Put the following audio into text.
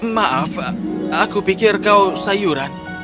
maaf aku pikir kau sayuran